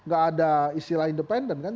gak ada istilah independen kan